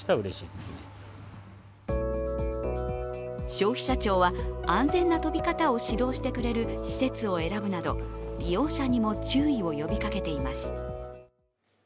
消費者庁は、安全な跳び方を指導してくれる施設を選ぶなど利用者にも注意を呼びかけています。